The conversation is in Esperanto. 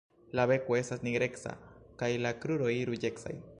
La beko estas nigreca kaj la kruroj ruĝecaj.